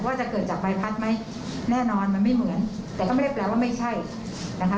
ว่าจะเกิดจากใบพัดไหมแน่นอนมันไม่เหมือนแต่ก็ไม่ได้แปลว่าไม่ใช่นะคะ